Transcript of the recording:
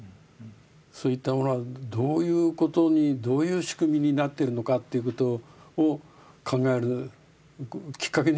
そういったものはどういうことにどういう仕組みになってるのかってことを考えるきっかけにもなりましたね。